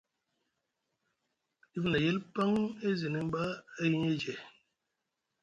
Dif na yel paŋ e ziniŋ ɓa Ahiyeje.